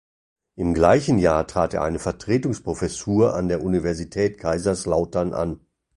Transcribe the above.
Im gleichen Jahr trat er eine Vertretungsprofessur an der Universität Kaiserslautern an.